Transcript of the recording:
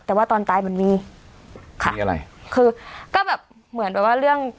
แต่ว่าตอนตายมันมีมีอะไรคือก็แบบเหมือนแบบว่าเรื่อง